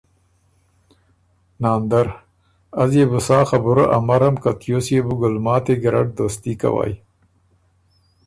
ناندر ـــ ”از يې بُو سا خبُره امرم که تیوس يې بُو ګلماتی ګیرډ دوستي کوئ“